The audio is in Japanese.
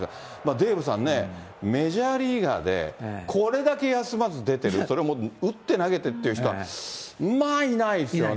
デーブさんね、メジャーリーガーで、これだけ休まず出てる、それも打って投げてっていう人は、まあいないですよね。